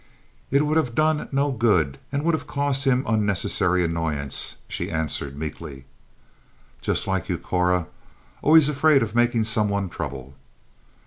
"It would have done no good, and would have caused him unnecessary annoyance," she answered meekly. "Just like you, Cora, always afraid of making some one trouble."